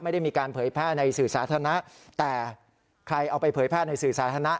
ไม่ได้มีการเผยแพร่ในสื่อสาธารณะแต่ใครเอาไปเผยแพร่ในสื่อสาธารณะ